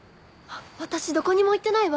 私どこにも行ってないわ。